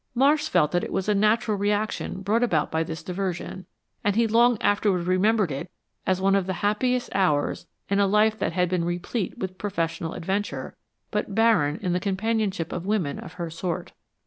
Marsh felt that it was a natural reaction brought about by this diversion, and he long afterward remembered it as one of the happiest hours in a life that had been replete with professional adventure, but barren in the companionship of women of her sort.